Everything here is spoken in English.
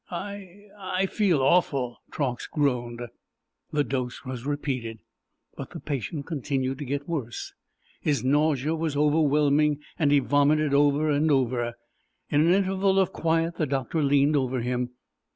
"I—I feel awful," Truax groaned. The dose was repeated, but the patient continued to grow worse. His nausea was overwhelming and he vomited over and over. In an interval of quiet the doctor leaned over him.